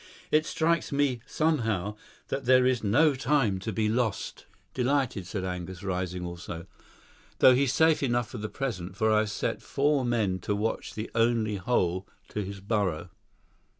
It strikes me, somehow, that there is no time to be lost." "Delighted," said Angus, rising also, "though he's safe enough for the present, for I've set four men to watch the only hole to his burrow."